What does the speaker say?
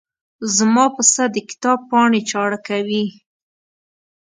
زما پسه د کتاب پاڼې چاړه کوي.